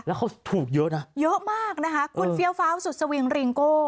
แล้วเขาถูกเยอะนะเยอะมากนะคะคุณเฟี้ยวฟ้าวสุดสวิงริงโก้